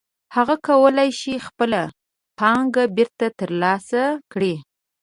هغه کولی شي خپله پانګه بېرته ترلاسه کړي